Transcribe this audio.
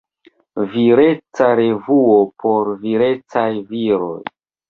Vireca revuo por virecaj viroj.